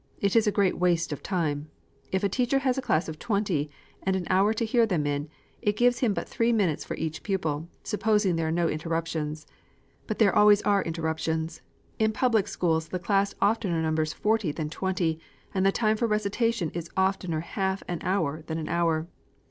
It is a great waste of time. If a teacher has a class of twenty, and an hour to hear them in, it gives him but three minutes for each pupil, supposing there are no interruptions. But there always are interruptions. In public schools the class oftener numbers forty than twenty, and the time for recitation is oftener half an hour than an hour.